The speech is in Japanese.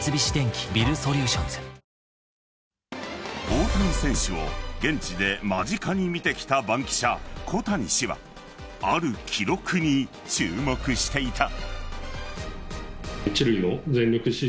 大谷選手を現地で間近に見てきた番記者・小谷氏はある記録に注目していた。